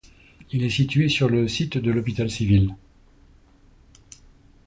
Il est situé sur le site de l'Hôpital civil.